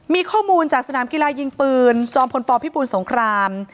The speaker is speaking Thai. มีข้อมูลจากสนามกีฬายิงปืนจอมพลปพิบูลสงคราม